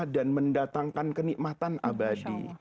dan mendatangkan kenikmatan abadi